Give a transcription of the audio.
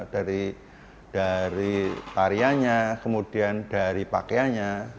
dari tarianya kemudian dari pakaianya